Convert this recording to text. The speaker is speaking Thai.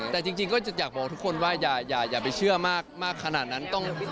แต่จริงก็อยากบอกทุกคนว่าอย่าไปเชื่อมากขนาดนั้น